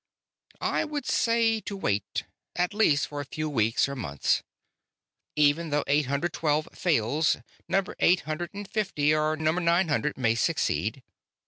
"_ "_I would say to wait, at least for a few weeks or months. Even though eight hundred twelve fails, number eight hundred fifty or number nine hundred may succeed.